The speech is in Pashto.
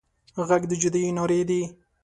غږ د جدايي نارې دي